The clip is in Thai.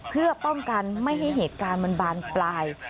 เพื่อป้องกันไม่ให้เหตุการณ์มันบานปลาย